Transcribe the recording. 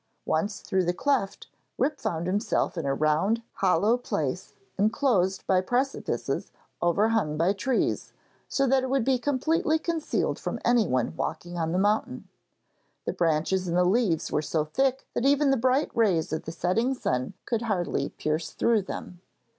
Once through the cleft, Rip found himself in a round, hollow place enclosed by precipices overhung by trees, so that it would be completely concealed from anyone walking on the mountain. The branches and the leaves were so thick that even the bright rays of the setting sun could hardly pierce through them.